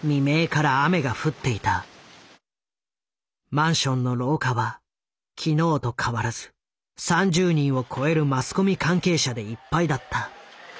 マンションの廊下は昨日と変わらず３０人を超えるマスコミ関係者でいっぱいだった。